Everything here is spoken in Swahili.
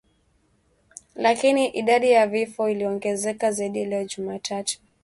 Lakini idadi ya vifo iliongezeka zaidi leo Jumatatu.